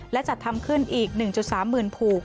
และจัดทำขึ้นอีก๑๓๐๐๐ผูก